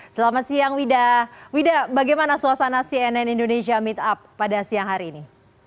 selamat siang wida wida bagaimana suasana cnn indonesia meetup pada siang hari ini